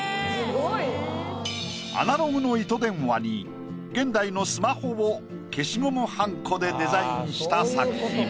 アナログの糸電話に現代のスマホを消しゴムはんこでデザインした作品。